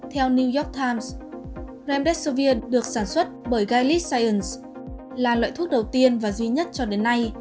theo new york times rhumdemdesivir được sản xuất bởi gilead science là loại thuốc đầu tiên và duy nhất cho đến nay